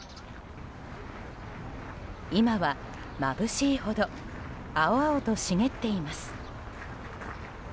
今は、まぶしいほど青々と茂っています。